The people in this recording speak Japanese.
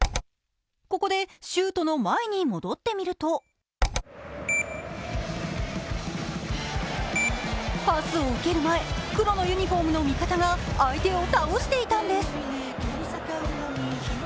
ここでシュートの前に戻ってみるとパスを受ける前、黒のユニフォームの味方が相手を倒していたんです。